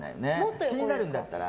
気になるんだったら。